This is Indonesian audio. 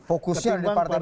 fokusnya di partai baru